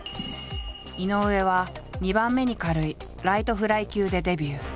井上は２番目に軽いライトフライ級でデビュー。